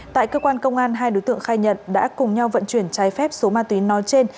tại cơ quan công an hai đối tượng khai nhận đã cùng nhau vận chuyển trái phép số ma túy nói trên